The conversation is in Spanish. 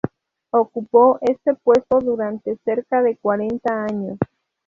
Ocupó este puesto durante cerca de cuarenta años.